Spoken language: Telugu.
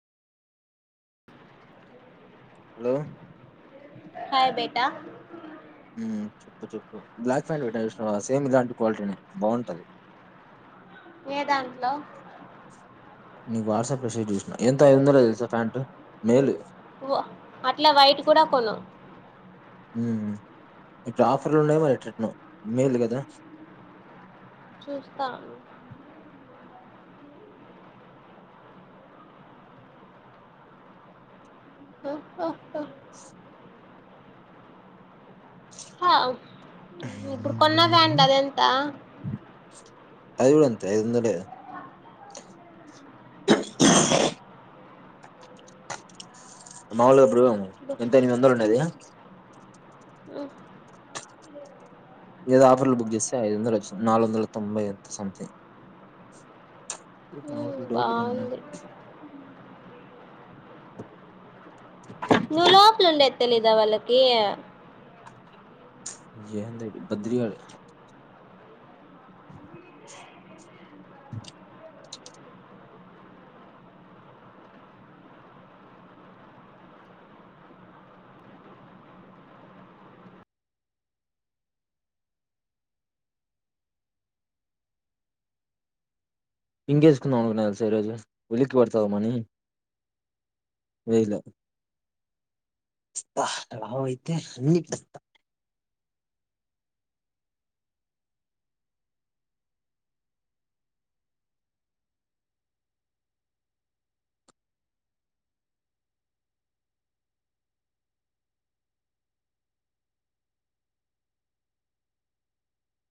హలో హాయ్ బేటా ఉమ్ చెప్పు చెప్పు బ్లాక్ ప్యాంట్ పెట్టా చూసినవ సేమ్ ఇలాంటి క్వాలిటీనే బాగుంటది ఏ దాంట్లో నీకు వాట్సాప్ లో షేర్ చేసిన ఎంత ఐదు వందలు తెలుసా ప్యాంట్ మేల్ది వ అట్లా వైట్ కూడా కొను మ్ ఇప్పుడు ఆఫర్లు ఉన్నాయ్ మరి ఎట్ట ఎట్టానో న మేలు గదా చూస్తా ను ఆహహహ హ ఇప్పుడు కొన్నద్ధాంట్లడి అది ఎంత అది కూడా అంతే ఐదు వందలే మాముూలు అపుడు ఎంత ఎనిమిది వందలు ఉండేది ఏదో ఆఫర్లు బుక్ చేస్తే ఐదు వందల వచ్చి నాలుగు వందల తొంభై ఎంత సంథింగ్ త మా ధోర్ ని బాగుంది నువ్వు లోపాలుండే తెలిద్ద వాళ్ళకి ఎందయిప్పుడు బద్రిగాడు ఇంకేసుకుందాం తెలుసా ఈరోజు ఉలికి పడతావేమోనని వేయిల అబ్బ రావ్ అయితే అన్ని తెస్తా